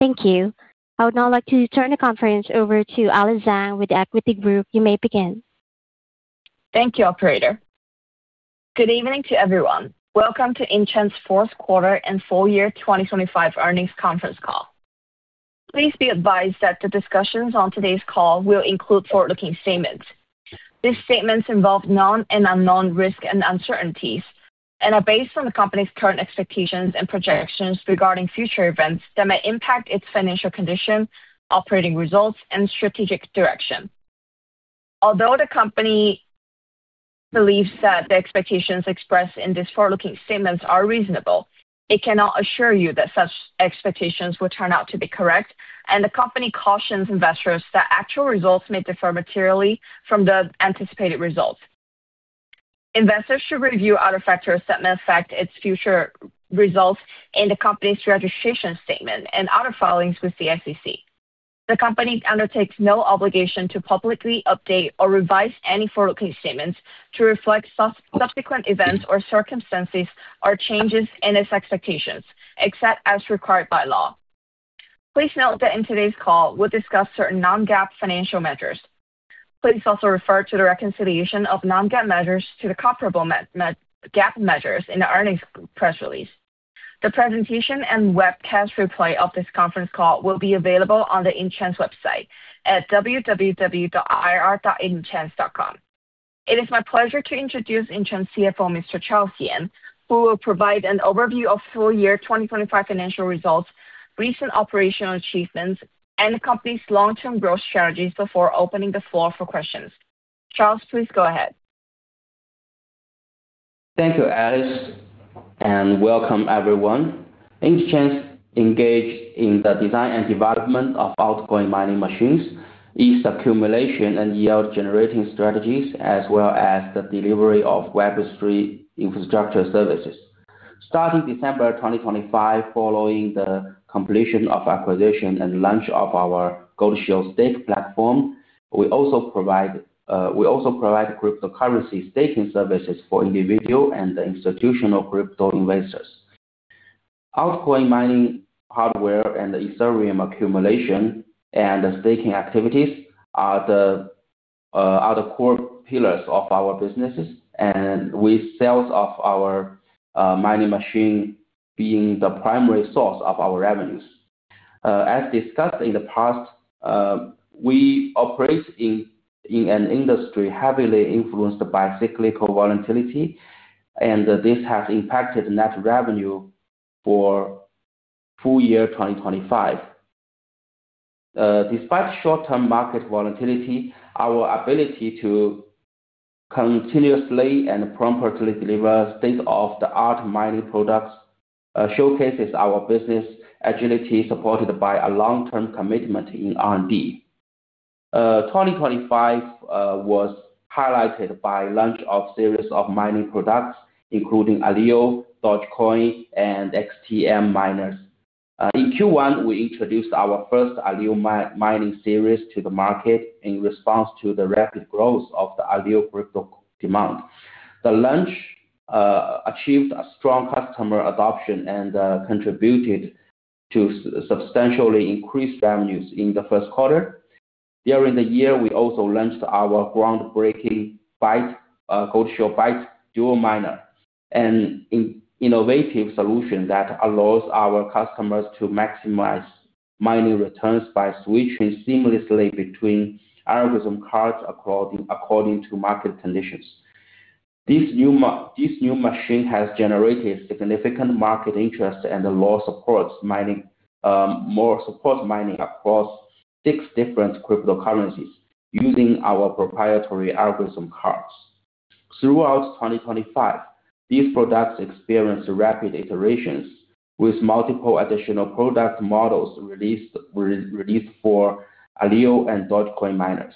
Thank you. I would now like to turn the conference over to Alice Zhang with The Equity Group. You may begin. Thank you, operator. Good evening to everyone. Welcome to Intchains Fourth Quarter and Full Year 2025 Earnings Conference Call. Please be advised that the discussions on today's call will include forward-looking statements. These statements involve known and unknown risks and uncertainties, and are based on the company's current expectations and projections regarding future events that may impact its financial condition, operating results, and strategic direction. Although the company believes that the expectations expressed in these forward-looking statements are reasonable, it cannot assure you that such expectations will turn out to be correct, and the company cautions investors that actual results may differ materially from the anticipated results. Investors should review other factors that may affect its future results in the company's registration statement and other filings with the SEC. The company undertakes no obligation to publicly update or revise any forward-looking statements to reflect subsequent events or circumstances, or changes in its expectations, except as required by law. Please note that in today's call, we'll discuss certain non-GAAP financial measures. Please also refer to the reconciliation of non-GAAP measures to the comparable GAAP measures in the earnings press release. The presentation and webcast replay of this conference call will be available on the Intchains website at www.ir.intchains.com. It is my pleasure to introduce Intchains CFO, Mr. Charles Yan, who will provide an overview of full year 2025 financial results, recent operational achievements, and the company's long-term growth strategies before opening the floor for questions. Charles, please go ahead. Thank you, Alice, and welcome everyone. Intchains engage in the design and development of altcoin mining machines, ETH accumulation and yield generating strategies, as well as the delivery of Web3 infrastructure services. Starting December 2025, following the completion of acquisition and launch of our Goldshell Stake platform, we also provide cryptocurrency staking services for individual and institutional crypto investors. Altcoin mining hardware and Ethereum accumulation and staking activities are the core pillars of our businesses, and with sales of our mining machine being the primary source of our revenues. As discussed in the past, we operate in an industry heavily influenced by cyclical volatility, and this has impacted net revenue for full year, 2025. Despite short-term market volatility, our ability to continuously and promptly deliver state-of-the-art mining products showcases our business agility, supported by a long-term commitment in R&D. 2025 was highlighted by launch of series of mining products, including Aleo, Dogecoin, and XTM miners. In Q1, we introduced our first Aleo mining series to the market in response to the rapid growth of the Aleo crypto demand. The launch achieved a strong customer adoption and contributed to substantially increased revenues in the first quarter. During the year, we also launched our groundbreaking Goldshell Byte Dual Miner, an innovative solution that allows our customers to maximize mining returns by switching seamlessly between algorithm cards according to market conditions. This new machine has generated significant market interest and a lot supports mining, more support mining across six different cryptocurrencies using our proprietary algorithm cards. Throughout 2025, these products experienced rapid iterations, with multiple additional product models re-released for Aleo and Dogecoin miners.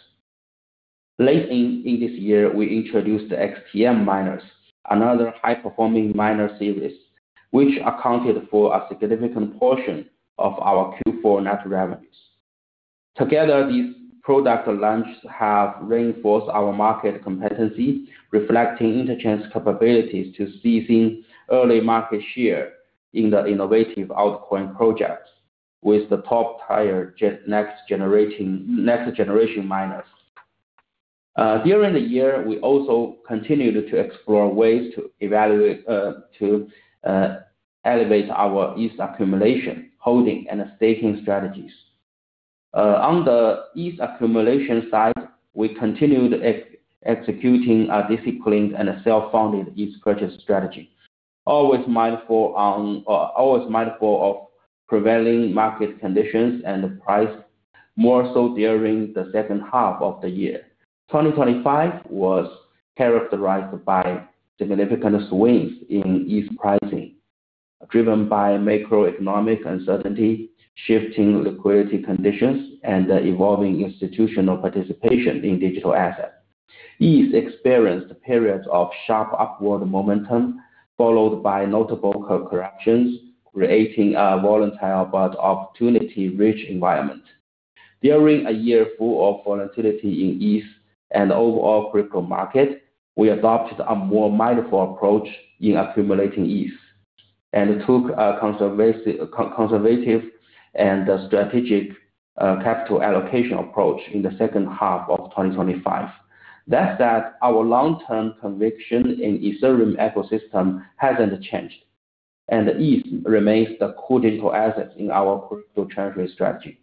Late in this year, we introduced the XTM miners, another high-performing miner series, which accounted for a significant portion of our Q4 net revenues. Together, these product launches have reinforced our market competency, reflecting Intchains capabilities to seizing early market share in the innovative altcoin projects with the top-tier next-generation miners. During the year, we also continued to explore ways to evaluate to elevate our ETH accumulation, holding, and staking strategies. On the ETH accumulation side, we continued executing a disciplined and self-funded ETH purchase strategy, always mindful on, always mindful of prevailing market conditions and the price, more so during the second half of the year. 2025 was characterized by significant swings in ETH pricing, driven by macroeconomic uncertainty, shifting liquidity conditions, and the evolving institutional participation in digital assets. ETH experienced periods of sharp upward momentum, followed by notable corrections, creating a volatile but opportunity-rich environment. During a year full of volatility in ETH and overall crypto market, we adopted a more mindful approach in accumulating ETH, and took a conservative and strategic capital allocation approach in the second half of 2025. That said, our long-term conviction in Ethereum ecosystem hasn't changed, and ETH remains the core digital asset in our crypto treasury strategy.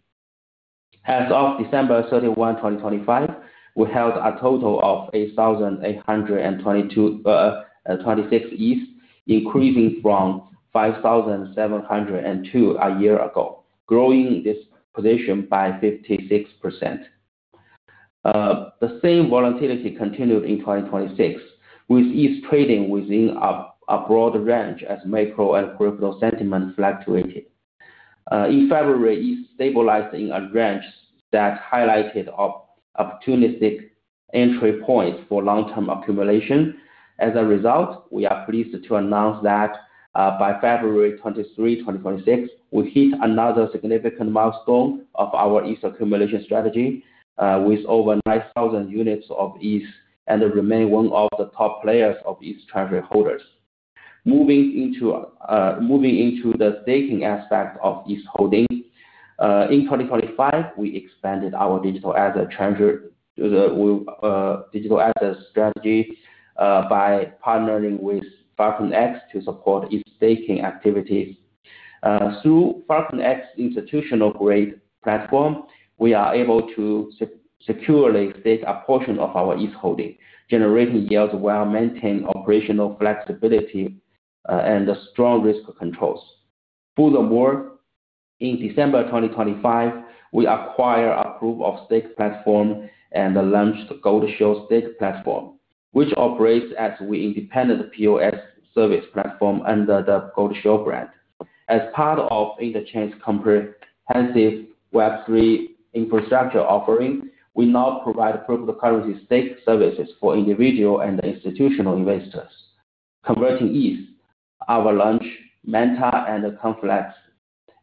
As of December 31, 2025, we held a total of 8,826 ETH, increasing from 5,702 a year ago, growing this position by 56%. The same volatility continued in 2026, with ETH trading within a broad range as macro and crypto sentiment fluctuated. In February, ETH stabilized in a range that highlighted opportunistic entry points for long-term accumulation. As a result, we are pleased to announce that by February 23, 2026, we hit another significant milestone of our ETH accumulation strategy, with over 9,000 units of ETH and remain one of the top players of ETH treasury holders. Moving into the staking aspect of ETH holding, in 2025, we expanded our digital asset treasury, digital asset strategy, by partnering with FalconX to support ETH staking activities. Through FalconX institutional-grade platform, we are able to securely stake a portion of our ETH holding, generating yields while maintaining operational flexibility and strong risk controls. Furthermore, in December 2025, we acquired a Proof-of-Stake platform and launched Goldshell Stake Platform, which operates as an independent POS service platform under the Goldshell brand. As part of Intchains' comprehensive Web3 infrastructure offering, we now provide cryptocurrency stake services for individual and institutional investors. Converting ETH, our launch Manta and Conflux,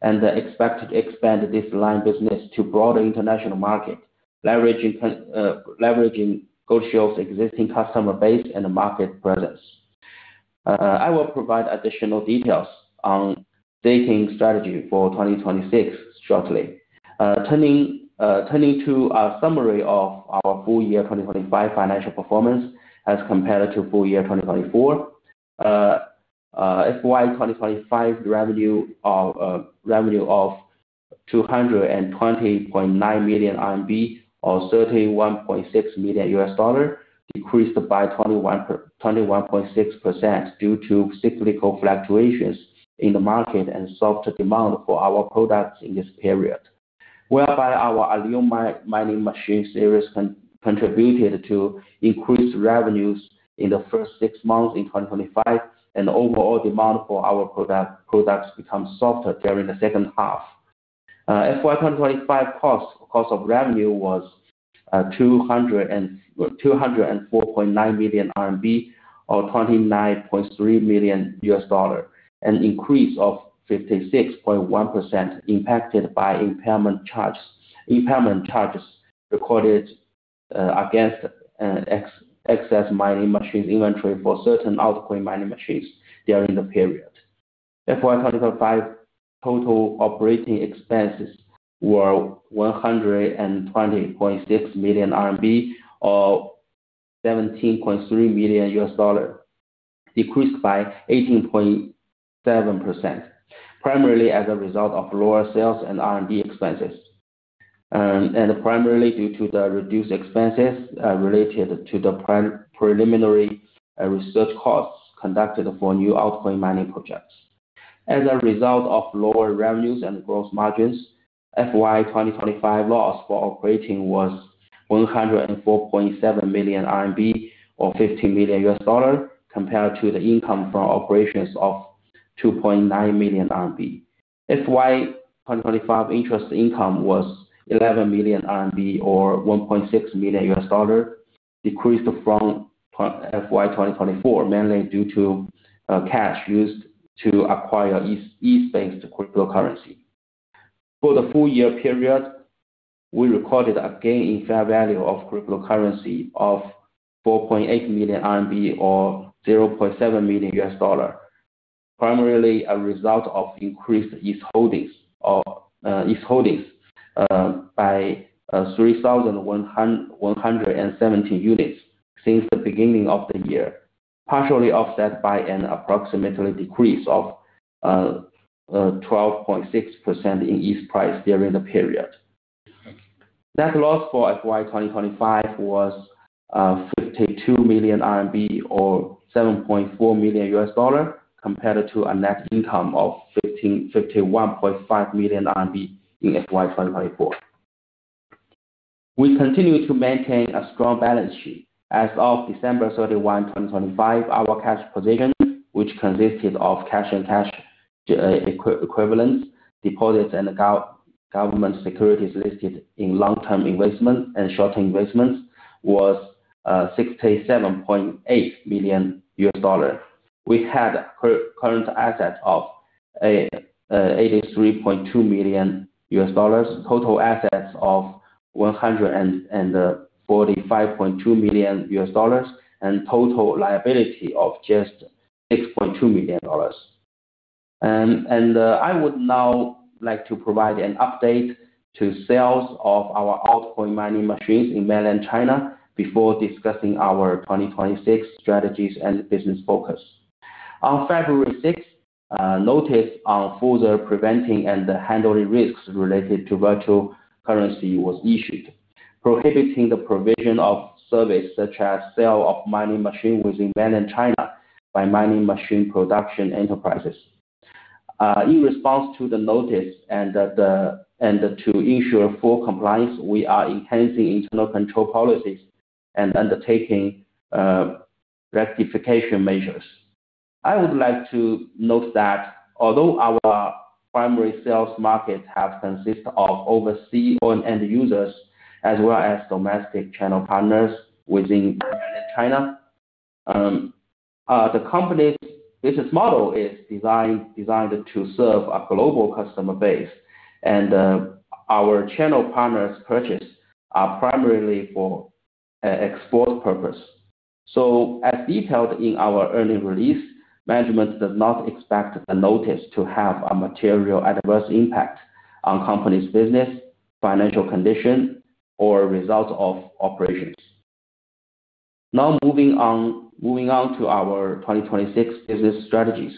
and expect to expand this line of business to broader international market, leveraging Goldshell's existing customer base and market presence. I will provide additional details on staking strategy for 2026 shortly. Turning to a summary of our full year 2025 financial performance as compared to full year 2024. FY 2025 revenue of 220.9 million RMB, or $31.6 million, decreased by 21.6% due to cyclical fluctuations in the market and soft demand for our products in this period. whereby our Aleo mining machine series contributed to increased revenues in the first 6 months in 2025, and overall demand for our products become softer during the second half. FY 2025 costs, cost of revenue was 204.9 million RMB, or $29.3 million, an increase of 56.1%, impacted by impairment charges. Impairment charges recorded against excess mining machines inventory for certain altcoin mining machines during the period. FY 2025 total operating expenses were 120.6 million RMB, or $17.3 million, decreased by 18.7%, primarily as a result of lower sales and RMB expenses, and primarily due to the reduced expenses related to the preliminary research costs conducted for new altcoin mining projects. As a result of lower revenues and gross margins, FY 2025 loss for operating was 104.7 million RMB, or $50 million, compared to the income from operations of 2.9 million RMB. FY 2025 interest income was 11 million RMB, or $1.6 million, decreased from FY 2024, mainly due to cash used to acquire ETH-based cryptocurrency. For the full year period, we recorded a gain in fair value of cryptocurrency of 4.8 million RMB, or $0.7 million, primarily a result of increased ETH holdings or ETH holdings by 3,170 units since the beginning of the year, partially offset by an approximately decrease of 12.6% in ETH price during the period. Net loss for FY 2025 was 52 million RMB or $7.4 million, compared to a net income of 51.5 million RMB in FY 2024. We continue to maintain a strong balance sheet. As of December 31, 2025, our cash position, which consisted of cash and cash equivalence, deposits, and government securities listed in long-term investment and short-term investments, was $67.8 million. We had current assets of $83.2 million, total assets of $145.2 million, and total liability of just $6.2 million. I would now like to provide an update to sales of our Altcoin mining machines in Mainland China before discussing our 2026 strategies and business focus. On February 6, Notice on Further Preventing and Handling Risks Related to Virtual Currencies was issued, prohibiting the provision of services such as sale of mining machines within Mainland China by mining machine production enterprises. In response to the notice and to ensure full compliance, we are enhancing internal control policies and undertaking rectification measures. I would like to note that although our primary sales markets have consisted of overseas end users as well as domestic channel partners within China, the company's business model is designed to serve a global customer base, and our channel partners' purchase are primarily for export purpose. As detailed in our earning release, management does not expect the notice to have a material adverse impact on company's business, financial condition, or results of operations. Moving on to our 2026 business strategies.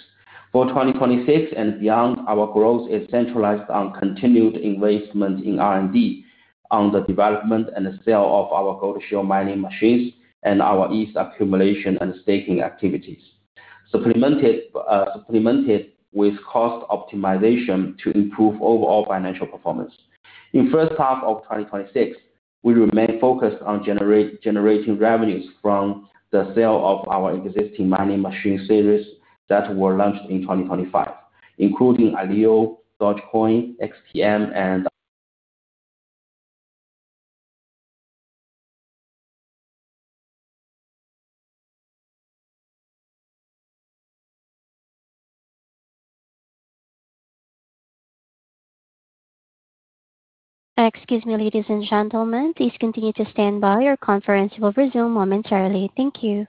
For 2026 and beyond, our growth is centralized on continued investment in R&D, on the development and sale of our Goldshell mining machines, and our ETH accumulation and staking activities. Supplemented with cost optimization to improve overall financial performance. In first half of 2026, we remain focused on generating revenues from the sale of our existing mining machine series that were launched in 2025, including Aleo, Dogecoin, XTM, and. Excuse me, ladies and gentlemen, please continue to stand by. Your conference will resume momentarily. Thank you.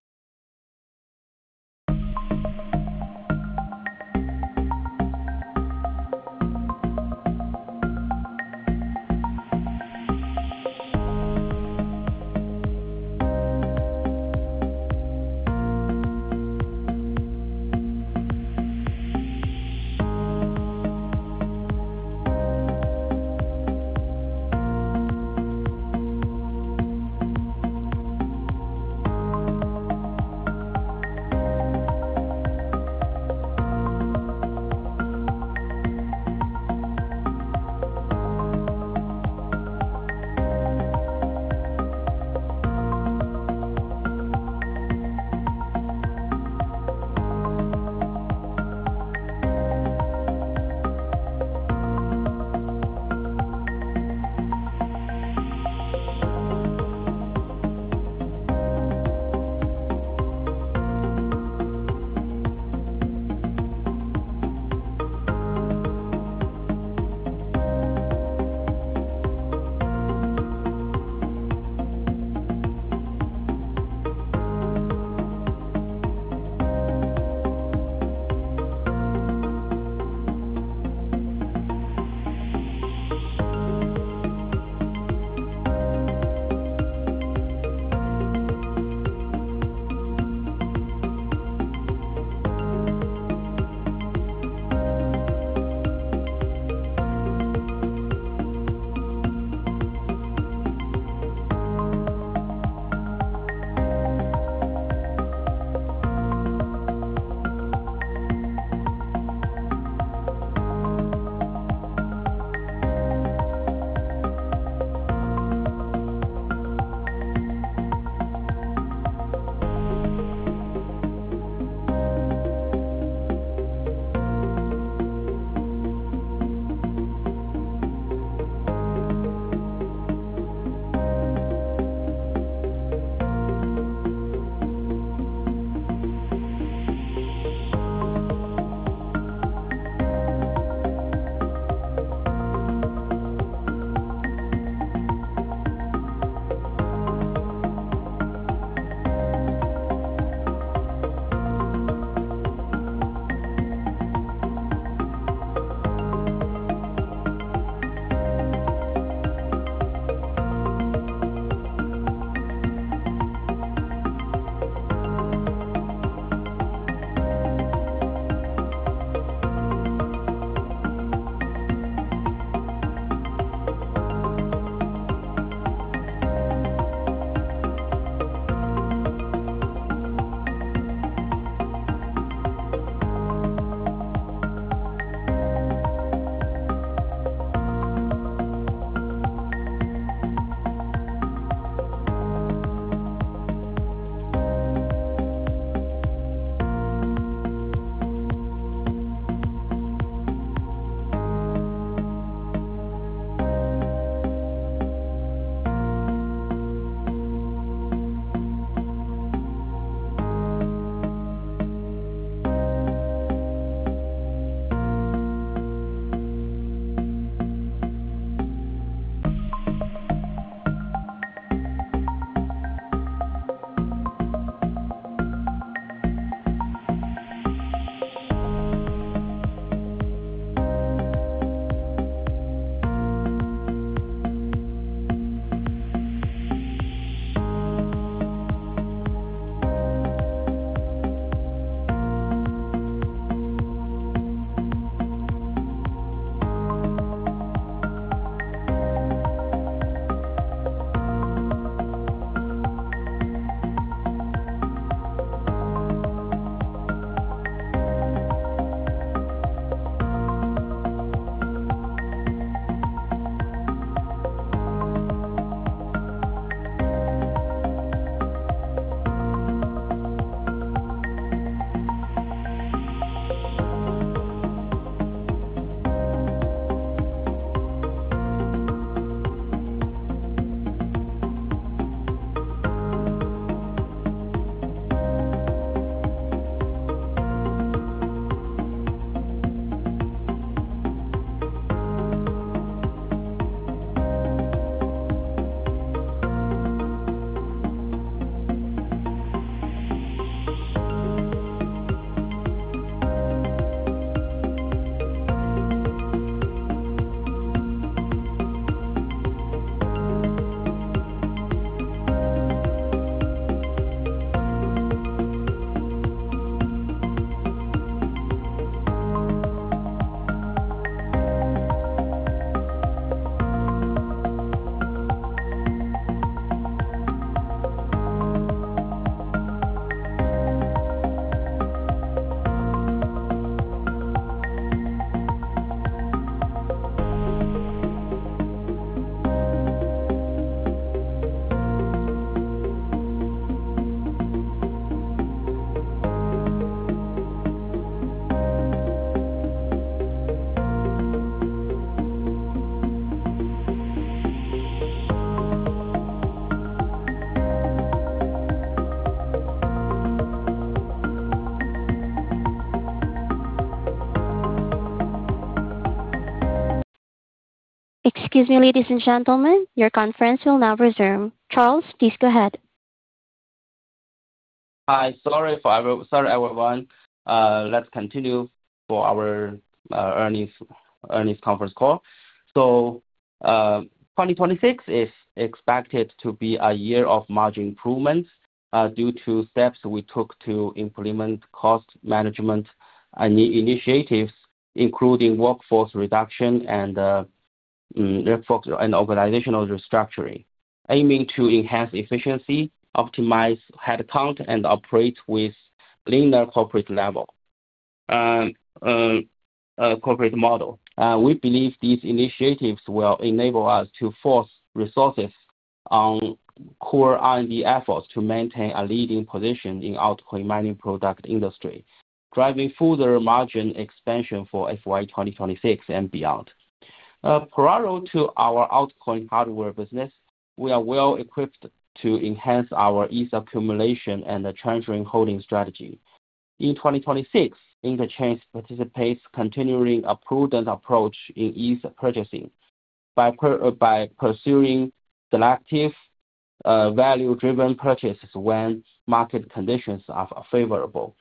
Excuse me, ladies and gentlemen, your conference will now resume. Charles, please go ahead. Hi. Sorry, everyone. Let's continue for our earnings conference call. 2026 is expected to be a year of margin improvements due to steps we took to implement cost management and initiatives, including workforce reduction and workforce and organizational restructuring, aiming to enhance efficiency, optimize headcount, and operate with leaner corporate level corporate model. We believe these initiatives will enable us to force resources on core R&D efforts to maintain a leading position in altcoin mining product industry, driving further margin expansion for FY 2026 and beyond. Parallel to our altcoin hardware business, we are well-equipped to enhance our ETH accumulation and the treasury holding strategy. In 2026, Intchains participates continuing a prudent approach in ETH purchasing by pursuing selective, value-driven purchases when market conditions are favorable,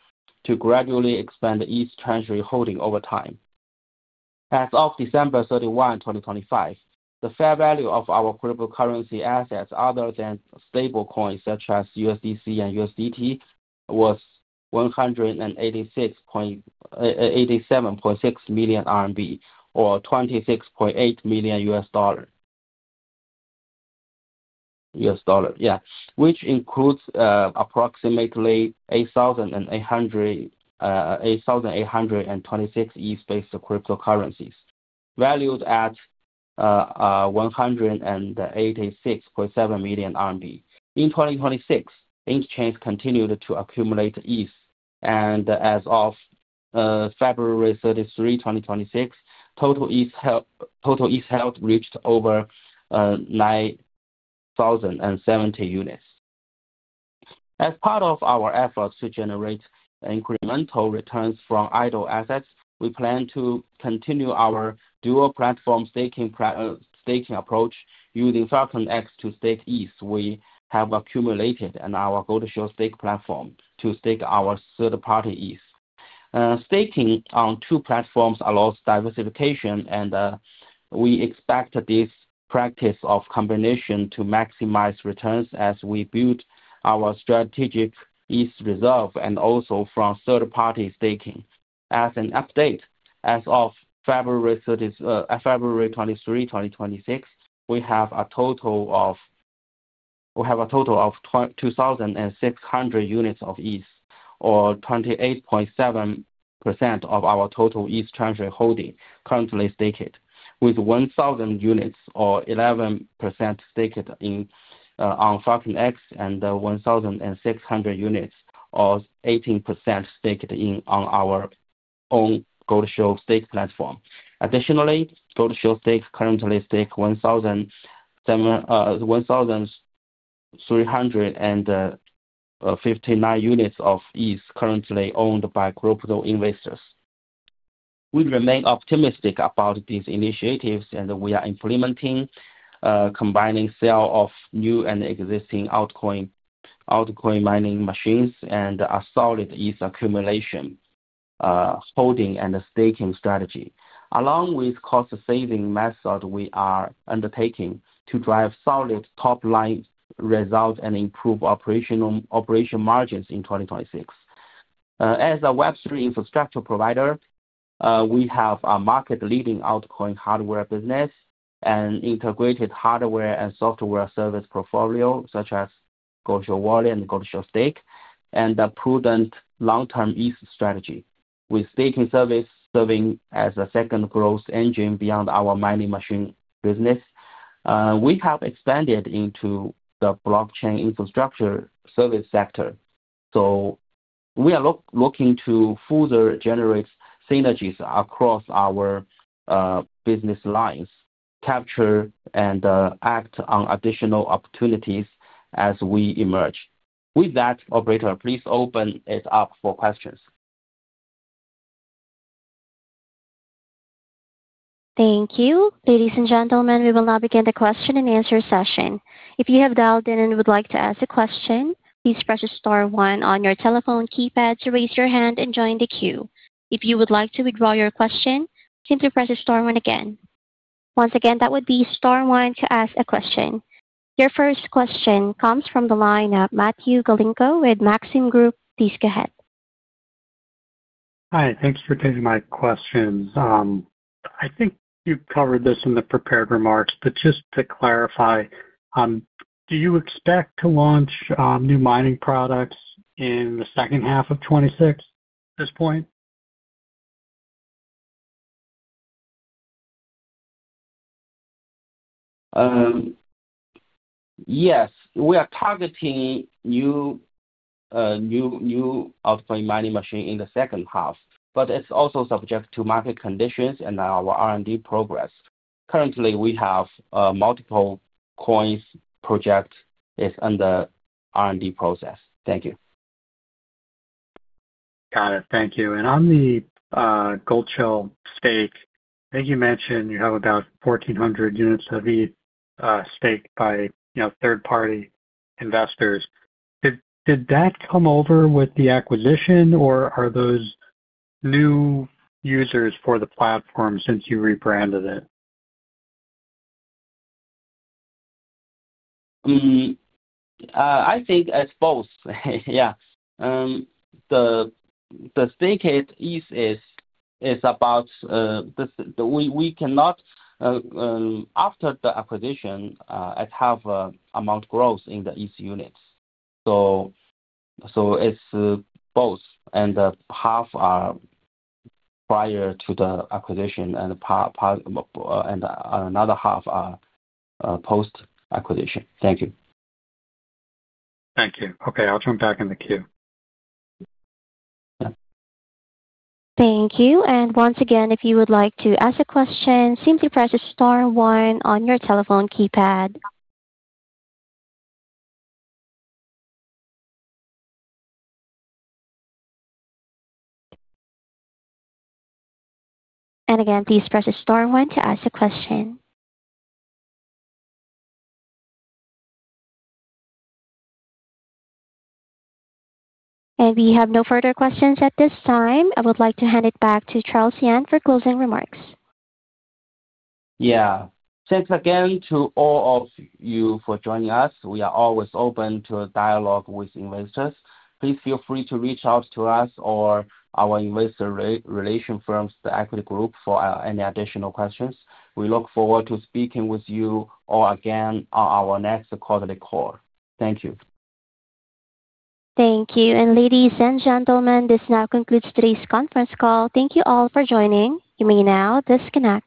to gradually expand ETH treasury holding over time. As of December 31, 2025, the fair value of our cryptocurrency assets other than stablecoins such as USDC and USDT, was RMB 87.6 million, or $26.8 million, yeah, which includes approximately 8,826 ETH-based cryptocurrencies, valued at 186.7 million RMB. In 2026, Intchains continued to accumulate ETH, and as of February 23, 2026, total ETH held reached over 9,070 units. As part of our efforts to generate incremental returns from idle assets, we plan to continue our dual platform staking approach using FalconX to stake ETH we have accumulated in our Goldshell Stake platform to stake our third-party ETH. Staking on two platforms allows diversification, and we expect this practice of combination to maximize returns as we build our strategic ETH reserve and also from third-party staking. As an update, as of February 23, 2026, we have a total of 2,600 units of ETH or 28.7% of our total ETH treasury holding currently staked, with 1,000 units or 11% staked on FalconX and 1,600 units or 18% staked on our Goldshell Stake platform. Additionally, Goldshell Stake currently stake 1,359 units of ETH currently owned by crypto investors. We remain optimistic about these initiatives, and we are implementing combining sale of new and existing altcoin mining machines and a solid ETH accumulation, holding and staking strategy. Along with cost-saving method we are undertaking to drive solid top-line results and improve operation margins in 2026. As a Web3 infrastructure provider, we have a market-leading altcoin hardware business and integrated hardware and software service portfolio, such as Goldshell Wallet and Goldshell Stake, and a prudent long-term ETH strategy, with staking service serving as a second growth engine beyond our mining machine business. We have expanded into the blockchain infrastructure service sector, so we are looking to further generate synergies across our business lines, capture and act on additional opportunities as we emerge. With that, operator, please open it up for questions. Thank you. Ladies and gentlemen, we will now begin the question-and-answer session. If you have dialed in and would like to ask a question, please press star one on your telephone keypad to raise your hand and join the queue. If you would like to withdraw your question, simply press star one again. Once again, that would be star one to ask a question. Your first question comes from the line of Matthew Galinko with Maxim Group. Please go ahead. Hi, thank you for taking my questions. I think you've covered this in the prepared remarks, but just to clarify, do you expect to launch new mining products in the second half of 2026 at this point? Yes. We are targeting new altcoin mining machine in the second half. It's also subject to market conditions and our R&D progress. Currently, we have multiple coins project is under R&D process. Thank you. Got it. Thank you. On the Goldshell Stake, I think you mentioned you have about 1,400 units of ETH staked by, you know, third-party investors. Did that come over with the acquisition, or are those new users for the platform since you rebranded it? I think it's both. Yeah. The staked ETH is about, uh... This, we cannot, uh, after the acquisition, uh, it have, uh, amount growth in the ETH units. So, it's both and the half are prior to the acquisition and another half are post-acquisition. Thank you. Thank you. Okay, I'll jump back in the queue. Thank you. Once again, if you would like to ask a question, simply press star one on your telephone keypad. Again, please press star one to ask a question. We have no further questions at this time. I would like to hand it back to Charles Yan for closing remarks. Yeah. Thanks again to all of you for joining us. We are always open to a dialogue with investors. Please feel free to reach out to us or our Investor Relation firms, The Equity Group, for any additional questions. We look forward to speaking with you or again on our next quarterly call. Thank you. Thank you. Ladies and gentlemen, this now concludes today's conference call. Thank you all for joining. You may now disconnect.